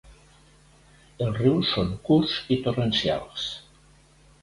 Els rius són curts i torrencials.